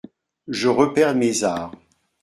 Je reperds mes arrhes…